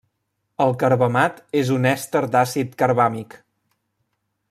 El carbamat és un èster d'àcid carbàmic.